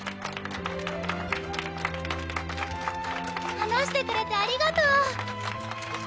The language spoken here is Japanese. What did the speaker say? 話してくれてありがとう！